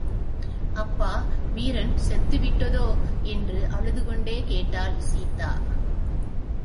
அப்பா, வீரன் செத்துவிட்டதோ! என்று அழுது கொண்டே கேட்டாள் சீதா.